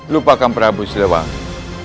lupakan prabu siluwangi